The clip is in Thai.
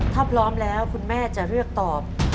ถ้าพร้อมแล้วคุณแม่จะเลือกตอบ